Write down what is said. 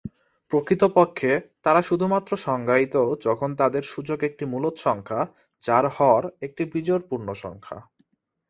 প্রকৃতপক্ষে, তারা শুধুমাত্র সংজ্ঞায়িত যখন তাদের সূচক একটি মূলদ সংখ্যা, যার হর একটি বিজোড় পূর্ণ সংখ্যা।